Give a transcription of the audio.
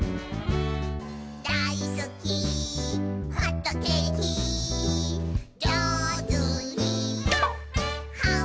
「だいすきホットケーキ」「じょうずにはんぶんこ！」